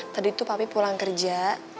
tadi itu papi pulang kerja